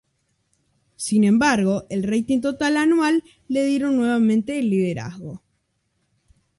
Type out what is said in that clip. Sin embargo, el rating total anual, le dieron nuevamente el liderazgo.